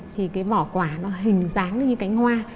thì cái vỏ quả nó hình dáng như cánh hoa